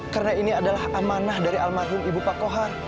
karena ini adalah amanah dari almarhum ibu pak kohar